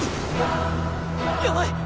やばい！